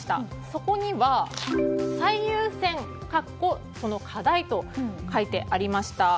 そこには、最優先カッコその課題と書いてありました。